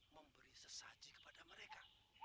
memberi sesaji kepada mereka